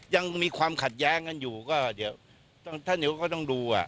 ยังมีความขัดแย้งกันอยู่ก็เดี๋ยวท่านนิวก็ต้องดูอ่ะ